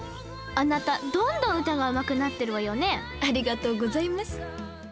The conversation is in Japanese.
あなたどんどん歌がうまくなってるわよねありがとうございます